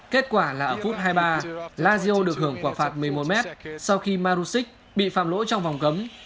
kết quả là ở phút hai mươi ba lazio được hưởng quả phạt một mươi một mét sau khi marusic bị phạm lỗ trong vòng cấm